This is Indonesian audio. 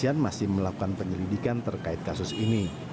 dan kita mengatakan dengan aksi penjagaan pada saat kejadian